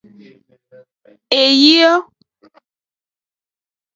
Eyio.